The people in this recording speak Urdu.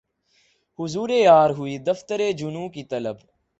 حضور یار ہوئی دفتر جنوں کی طلب